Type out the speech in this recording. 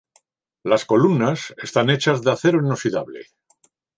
Las columnas están hechas de acero inoxidable.